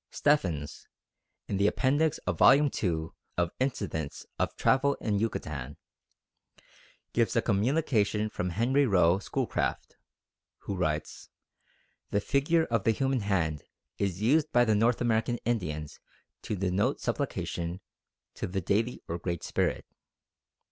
Stephens, in the appendix of vol. ii. of Incidents of Travel in Yucatan, gives a communication from Henry Rowe Schoolcraft, who writes: "The figure of the human hand is used by the North American Indians to denote supplication to the Deity or Great Spirit....